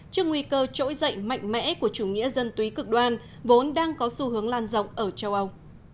trước nguy cơ trỗi dậy mạnh mẽ của chủ nghĩa dân túy cực đoan vốn đang có xu hướng lan rộng ở châu âu